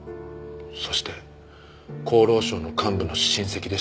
そして厚労省の幹部の親戚でした。